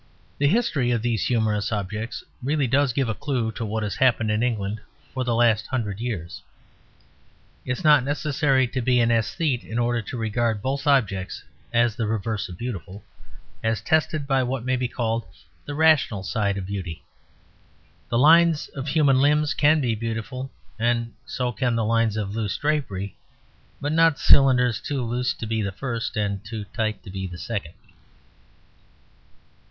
The history of these humorous objects really does give a clue to what has happened in England for the last hundred years. It is not necessary to be an æsthete in order to regard both objects as the reverse of beautiful, as tested by what may be called the rational side of beauty. The lines of human limbs can be beautiful, and so can the lines of loose drapery, but not cylinders too loose to be the first and too tight to be the second.